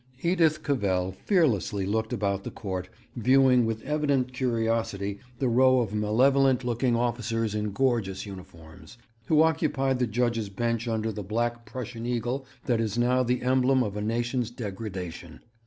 Edith Cavell fearlessly looked about the court, viewing with evident curiosity the row of malevolent looking officers in gorgeous uniforms, who occupied the judges' bench under the black Prussian eagle that is now the emblem of a nation's degradation.